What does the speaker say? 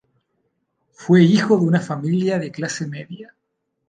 Fue hijo de una familia de clase media.